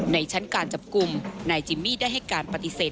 ในชั้นการจับกลุ่มนายจิมมี่ได้ให้การปฏิเสธ